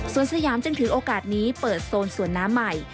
ส่วนสยามจึงถือโอกาสนี้เปิดโซนสวนน้ำใหม่